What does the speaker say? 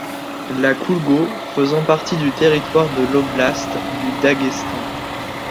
L'Akhoulgo faisait partie du territoire de l'oblast du Daguestan.